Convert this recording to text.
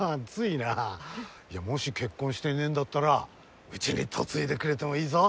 いやもし結婚してねぇんだったらうちに嫁いでくれてもいいぞ。